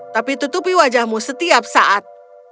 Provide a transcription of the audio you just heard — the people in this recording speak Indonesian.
tapi tutupi wajahmu setiap saat